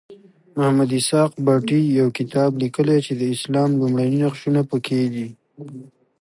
محمد اسحاق بټي یو کتاب لیکلی چې د اسلام لومړني نقشونه پکې دي.